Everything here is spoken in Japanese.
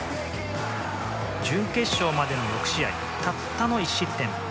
準決勝までの６試合たったの１失点。